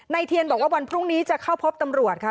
เทียนบอกว่าวันพรุ่งนี้จะเข้าพบตำรวจค่ะ